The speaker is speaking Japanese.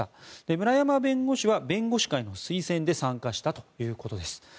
村山弁護士は弁護士会の推薦で参加したということです。